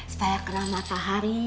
supaya kena matahari